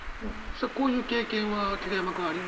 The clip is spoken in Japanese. さあこういう経験は桐山君ある？